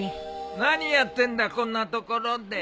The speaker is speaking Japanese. ・何やってんだこんな所で。